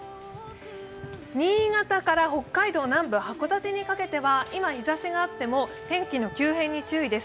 新潟から北海道南部・函館にかけては今、日ざしがあっても天気の急変に注意です。